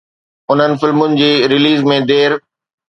انهن فلمن جي رليز ۾ دير